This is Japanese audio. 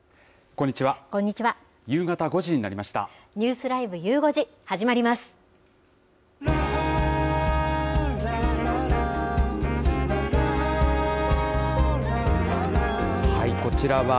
こんにちは。